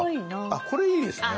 あっこれいいですね。